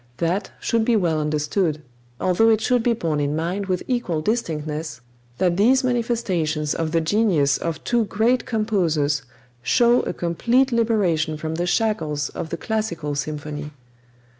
That should be well understood, although it should be borne in mind with equal distinctness that these manifestations of the genius of two great composers show a complete liberation from the shackles of the classical symphony.